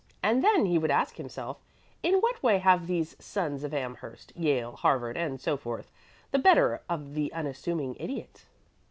And then he would ask himself, 'In what way have these sons of Amherst, Yale, Harvard, and so forth, the better of the unassuming Idiot?'"